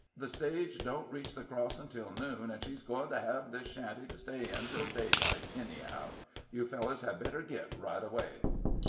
"The stage don't reach the crossin' till noon, an' she is goin' to hev this shanty to stay in till daylight, anyhow. You fellers had better git, right away."